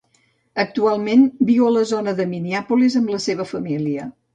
Actualment viu a la zona de Minneapolis amb la seva família.